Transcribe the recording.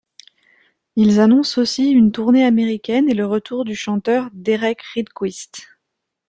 Ils annoncnet aussi une tournée américaine et le retour du chanteur Derek Rydquist.